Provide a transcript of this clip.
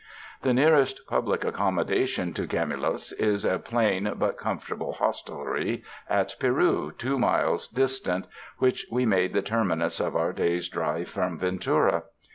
The nearest public accommodation to Camulos is a plain but comfortable hostelry at Piru, two miles distant, which we made the terminus of our day's drive from Ventura.